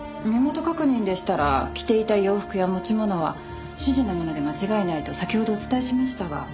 身元確認でしたら着ていた洋服や持ち物は主人のもので間違いないと先ほどお伝えしましたが。